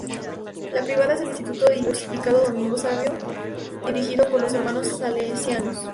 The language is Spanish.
La privada es el Instituto Diversificado Domingo Savio, dirigido por los hermanos salesianos.